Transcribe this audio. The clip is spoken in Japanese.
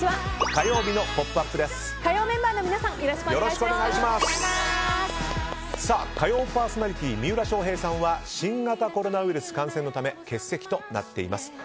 火曜パーソナリティー三浦翔平さんは新型コロナウイルス感染のため欠席となっています。